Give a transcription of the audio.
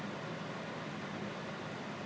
ตัวดำดำอ๋อ